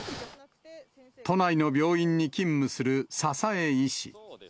都内の病院に勤務する佐々江医師。